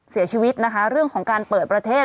เสียชีวิตนะคะเรื่องของการเปิดประเทศ